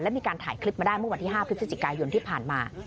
และมีการถ่ายคลิปมาได้เมื่อวันที่๕พฤศจิกายนที่ผ่านมา